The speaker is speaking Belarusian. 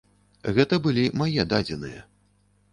Гэта былі мае дадзеныя.